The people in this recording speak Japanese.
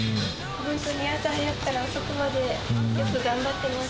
本当に朝早くから遅くまで、よく頑張ってます。